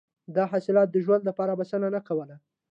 دا حاصلات د ژوند لپاره بسنه نه کوله.